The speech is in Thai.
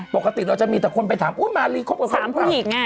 ปกติเราจะมีแต่คนไปถามมารีครบกับผมหรือเปล่า